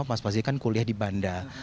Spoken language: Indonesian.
mas fazi kan kuliah di banda